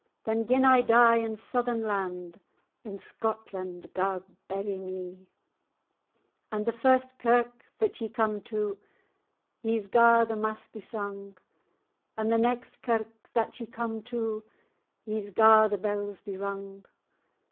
"Then, gin I die in Southern land, In Scotland gar[#] bury me. [#] cause And the first kirk that ye come to, Ye's gar the mass be sung; And the next kirk that ye come to Ye's gar the bells be rung.